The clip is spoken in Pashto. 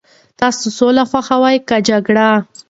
تاسي سوله خوښوئ که جګړه؟